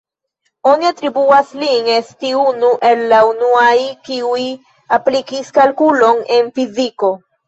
Oni atribuas lin esti unu el la unuaj kiuj aplikis kalkulon en fiziko.